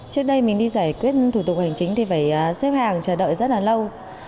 trước đây mình đi giải quyết thủ tục hành chính thì phải xếp hàng chờ đợi rất là lâu